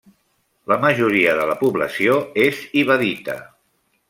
La majoria de la població és ibadita.